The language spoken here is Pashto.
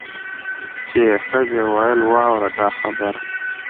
چي یې ښځي ویل واوره دا خبره